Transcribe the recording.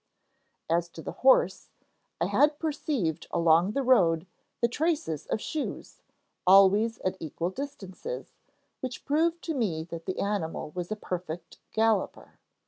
] 'As to the horse, I had perceived along the road the traces of shoes, always at equal distances, which proved to me that the animal was a perfect galloper.